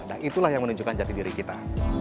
dan itulah yang menunjukkan jati diri kita